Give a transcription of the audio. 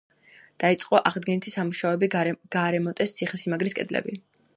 დაიწყო აღდგენითი სამუშაოები, გარემონტეს ციხესიმაგრის კედლები.